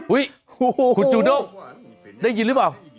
คุณจูด้งได้ยินหรือเปล่า